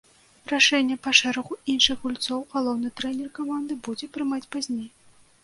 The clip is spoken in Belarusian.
Рашэнне па шэрагу іншых гульцоў галоўны трэнер каманды будзе прымаць пазней.